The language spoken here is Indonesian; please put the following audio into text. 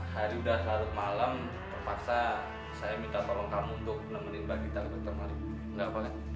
hari udah selalu ke malam terpaksa saya minta tolong kamu untuk nemenin mbak gita ke dokter malik nggak apa kan